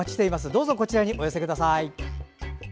どうぞこちらにお寄せください。